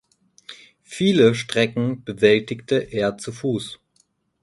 Viele Strecken bewältigte er zu Fuß.